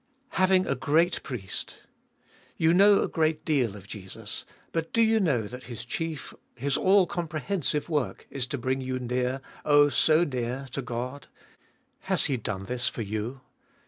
1. Having a great Priest ! You know a great deal of Jesus, but do you know this that His chief, His all comprehensiue work, is to^bring you near, oh so near, to God ? Has He done this for you